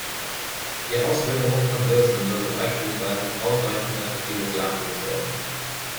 Die Auswilderung von Hirschen sollte beispielsweise für ausreichend attraktives Jagdwild sorgen.